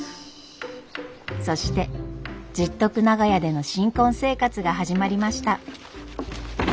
そして十徳長屋での新婚生活が始まりました。